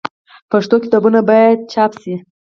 پښتو کتابونه باید چاپ سي.